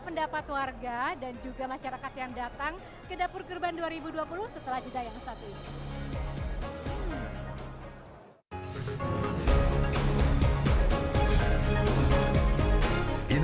pendapat warga dan juga masyarakat yang datang kedapur gerban dua ribu dua puluh setelah juga yang satu ini